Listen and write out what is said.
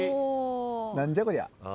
何じゃこりゃ。